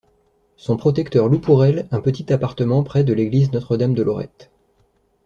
Son protecteur loue pour elle un petit appartement près de l'église Notre-Dame-de-Lorette.